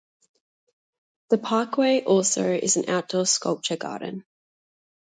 The Parkway also is an outdoor sculpture garden.